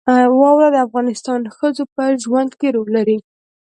واوره د افغان ښځو په ژوند کې رول لري.